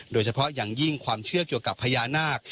โดยเฉพาะอย่างยิ่งความเชื่อเกี่ยวกับพญานาค